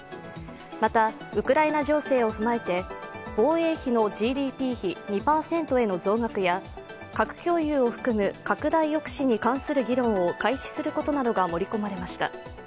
また、ウクライナ情勢を踏まえて防衛費のＧＤＰ比２％への増額や核共有を含む拡大抑止に関する議論を開始することなどが盛り込まれました。